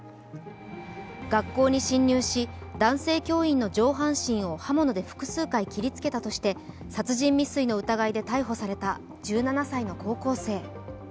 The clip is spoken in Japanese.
学校に侵入し、男性教員の上半身を刃物で複数回切りつけとして、殺人未遂の疑いで逮捕された１７歳の高校生。